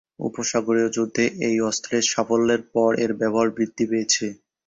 উপসাগরীয় যুদ্ধে এই অস্ত্রের সাফল্যের পরে এর ব্যবহার বৃদ্ধি পেয়েছে।